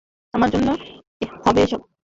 আমার জন্য হবে এসব।